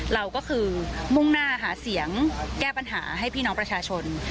เราก็คือมุ่งหน้าหาเสียงแก้ปัญหาให้พี่น้องประชาชน